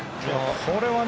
これはね